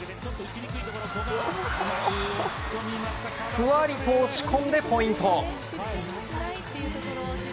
ふわりと押し込んでポイント。